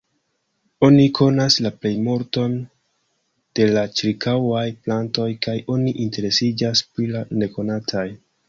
Oni konas la plejmulton de la ĉirkaŭaj plantoj kaj oni interesiĝas pri la nekonataj.